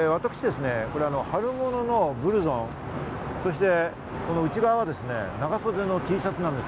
私ですね、春物のブルゾン、そして内側は長袖のＴシャツなんです。